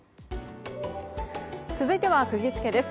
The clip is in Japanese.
続いてはクギヅケです。